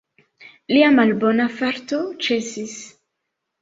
Lia malbona farto ĉesis.